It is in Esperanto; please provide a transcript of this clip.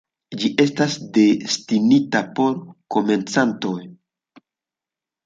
Ĝi estas destinita por komencantoj.